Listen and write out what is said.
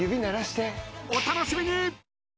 お楽しみに。